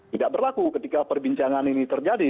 tidak berlaku ketika perbincangan ini terjadi